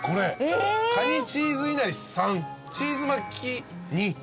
カニチーズいなり３チーズ巻２。